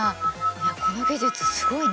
いやこの技術すごいね！